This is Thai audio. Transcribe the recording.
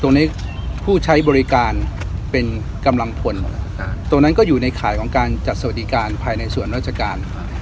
ตรงนี้ผู้ใช้บริการเป็นกำลังพลตรงนั้นก็อยู่ในข่ายของการจัดสวัสดิการภายในส่วนราชการ